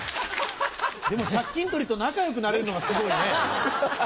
でも借金取りと仲良くなれるのがすごいね！